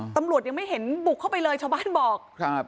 ตำรวจยังไม่เห็นบุกเข้าไปเลยชาวบ้านบอกครับ